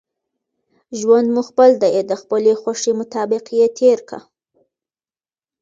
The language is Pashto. ژوند مو خپل دئ، د خپلي خوښي مطابق ئې تېر که!